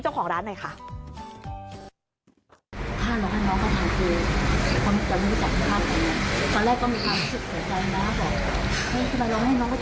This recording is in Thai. แม่เสียใจจำทำไมทำไมแม่ไม่ให้น้องบุ้ค